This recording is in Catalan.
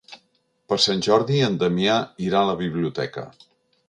Per Sant Jordi en Damià irà a la biblioteca.